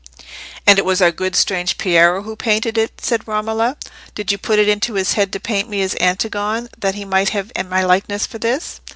"And it was our good strange Piero who painted it?" said Romola. "Did you put it into his head to paint me as Antigone, that he might have my likeness for this?"